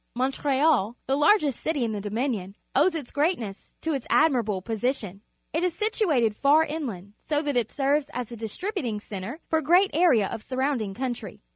Montreal, the largest city in the Dominion, owes its great ness to its admiral:)lo position. It is situated far inland, so that it ser ves as a distributing cen tre foFa gre at area of surround ing coimtry